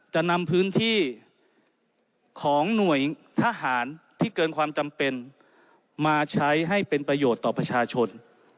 จะนำพื้นที่ของหน่วยทหารที่เกินความจำเป็นมาใช้ให้เป็นประโยชน์ต่อประชาชน